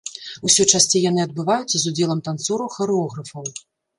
Усё часцей яны адбываюцца з удзелам танцораў, харэографаў.